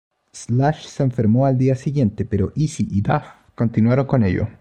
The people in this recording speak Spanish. Slash se enfermó al día siguiente, pero Izzy y Duff continuaron con ello.